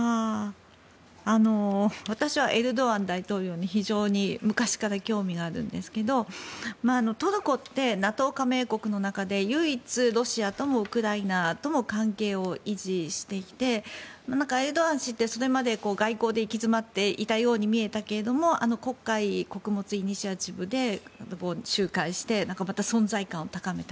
私はエルドアン大統領に非常に、昔から興味があるんですけどトルコってＮＡＴＯ加盟国の中で唯一、ロシアともウクライナとも関係を維持していてエルドアン氏ってそれまで外交で行き詰まっていたように見えたけれども黒海穀物イニシアチブで仲介して存在感を高めた。